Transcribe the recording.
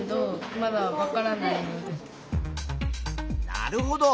なるほど。